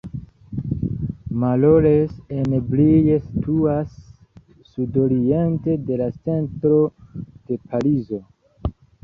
Marolles-en-Brie situas sudoriente de la centro de Parizo.